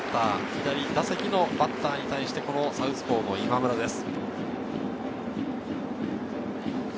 左打席のバッターに対してサウスポーの今村です。